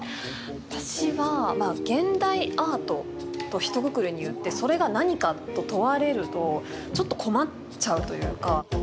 私はまあ「現代アート」とひとくくりに言ってそれが何かと問われるとちょっと困っちゃうというか。